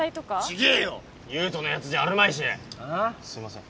すいません。